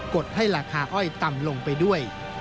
ดให้ราคาอ้อยต่ำลงไปด้วย